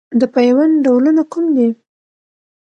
د پیوند ډولونه کوم دي؟